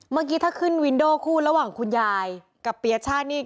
เมื่อกี้ถ้าขึ้นวินโดคู่ระหว่างคุณยายกับเปียชาตินี่